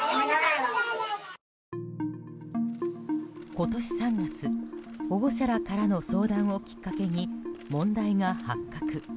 今年３月、保護者らからの相談をきっかけに問題が発覚。